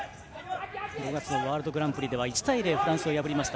５月のワールドグランプリでは１対０でフランスを破りました。